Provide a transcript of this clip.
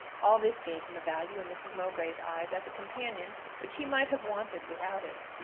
All this gave him a value in Mrs. Mowbray's eyes as a companion which he might have wanted without it.